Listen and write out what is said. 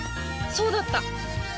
そうだった！